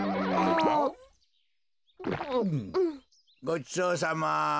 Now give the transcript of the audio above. ごちそうさま。